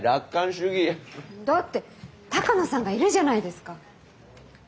だって鷹野さんがいるじゃないですか。